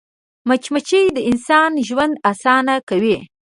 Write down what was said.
مچمچۍ د انسان ژوند اسانه کوي